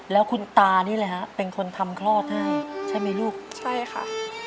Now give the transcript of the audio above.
แล้วคุณตานี่แหละฮะเป็นคนทำคลอดให้ใช่ไหมลูกใช่ค่ะ